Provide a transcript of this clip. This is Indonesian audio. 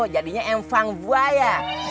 jadinya empang buaya